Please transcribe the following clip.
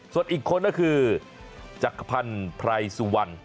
ส่วนอีกคนก็คือจักภัณฑ์พรายซูวัน